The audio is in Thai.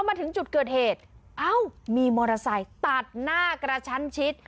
มาถึงจุดเกิดเหตุเอ้ามีมอเตอร์ไซค์ตัดหน้ากระชั้นชิด